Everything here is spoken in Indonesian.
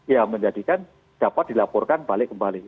ya menjadikan dapat dilaporkan balik kembali